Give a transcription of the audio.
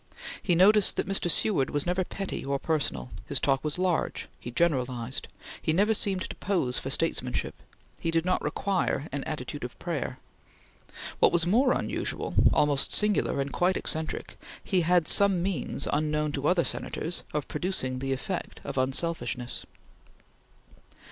He noticed that Mr. Seward was never petty or personal; his talk was large; he generalized; he never seemed to pose for statesmanship; he did not require an attitude of prayer. What was more unusual almost singular and quite eccentric he had some means, unknown to other Senators, of producing the effect of unselfishness.